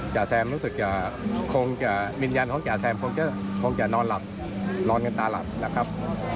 จ้าแซมรู้สึกว่ามิญญาณของจ้าแซมคงจะนอนกันตาหลับ